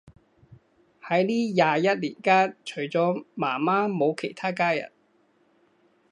喺呢廿一年間，除咗媽媽冇其他家人